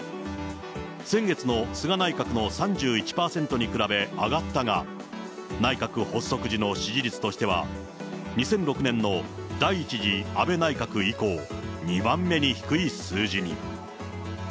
先月の菅内閣の３１％に比べ上がったが、内閣発足時の支持率としては、２００６年の第１次安倍内閣以降、２番目に低い数字に。